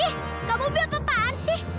ih kamu biar kapan sih